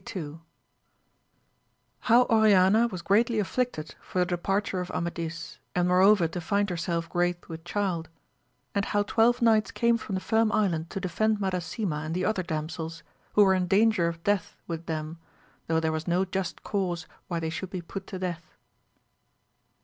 — How Oriana was greatly afflicted for the de parture of Amadis, and moreover to find • herself great with child; and how twelve Knights came from the Firm Island to defend Madasima and the other Damsels, who were in danger of death with them, though there was no just cause why they should be put to death.